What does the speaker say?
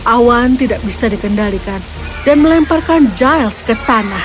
awan tidak bisa dikendalikan dan melemparkan giles ke tanah